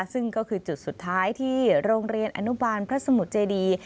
ซึ่งก็คือจุดสุดท้ายที่โรงเรียนอนุบาลพระสมุทรเจดี